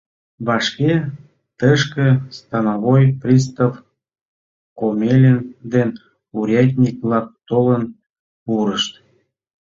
Вашке тышке становой пристав Комелин ден урядник-влак толын пурышт.